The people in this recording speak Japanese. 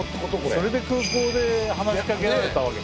それで空港で話しかけられたわけ？